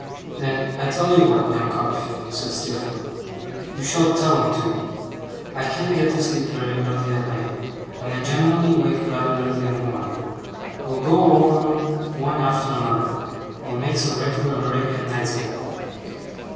'Then I tell you what, young Copperfield,' said Steerforth, 'you shall tell 'em to me. I can't get to sleep very early at night, and I generally wake rather early in the morning. We'll go over 'em one after another. We'll make some regular Arabian Nights of it.